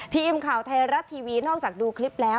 ทีมข่าวไทยรัฐทีวีนอกจากดูคลิปแล้ว